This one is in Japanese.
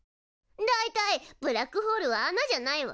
大体ブラックホールは穴じゃないわ。